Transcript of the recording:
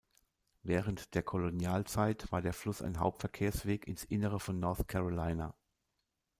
Während der Kolonialzeit war der Fluss ein Hauptverkehrsweg ins Innere von North Carolina.